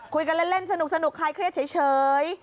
คุยกันเล่นสนุกคลายเครียดเฉย